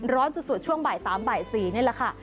ร้อนสุดช่วงบ่าย๓บ่าย๔นี่แหละค่ะ